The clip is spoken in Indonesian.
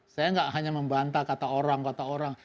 saya nggak hanya membantah kata orang kata orang